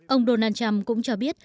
ông donald trump cũng cho biết